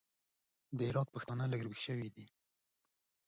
د هرات پښتانه لږ راوېښ سوي دي.